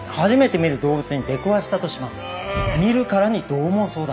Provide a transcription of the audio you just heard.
見るからにどう猛そうだ。